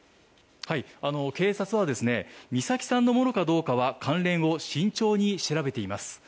警察は美咲さんのものかどうか関連を慎重に調べています。